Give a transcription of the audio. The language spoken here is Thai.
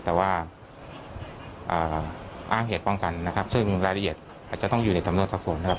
แต่ว่าอ้างเหตุป้องกันนะครับซึ่งรายละเอียดอาจจะต้องอยู่ในสำนวนสอบสวนนะครับ